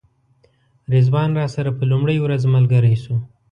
رضوان راسره په لومړۍ ورځ ملګری شو.